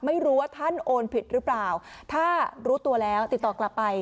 ไม่รู้ว่าท่านโอนผิดหรือเปล่าถ้ารู้ตัวแล้วติดต่อกลับไป